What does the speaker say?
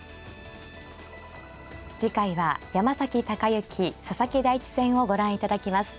次回は山崎隆之佐々木大地戦をご覧いただきます。